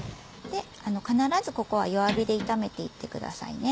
必ずここは弱火で炒めていってくださいね。